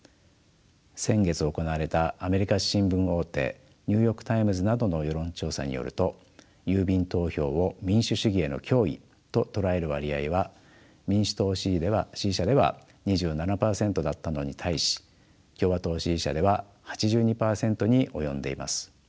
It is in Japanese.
先月行われたアメリカ新聞大手ニューヨーク・タイムズなどの世論調査によると郵便投票を民主主義への脅威と捉える割合は民主党支持者では２７％だったのに対し共和党支持者では８２％に及んでいます。